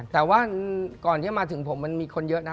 แต่ว่าก่อนที่มาถึงผมมันมีคนเยอะนะ